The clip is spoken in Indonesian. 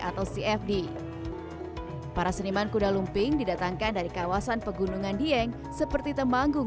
atau cfd para seniman kuda lumping didatangkan dari kawasan pegunungan dieng seperti temanggung